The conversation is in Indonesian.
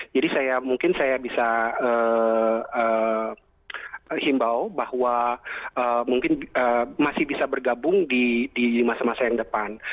mungkin saya bisa himbau bahwa mungkin masih bisa bergabung di masa masa yang depan